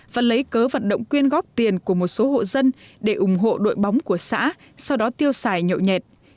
và lấy cớ vận động quyên góp tiền của một số hộ dân để ủng hộ đội bóng của xã sau đó tiêu xài nhậu nhẹt